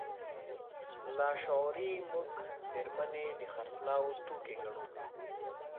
لاشعوري موږ مېرمنې د خرڅلاو توکي ګڼو.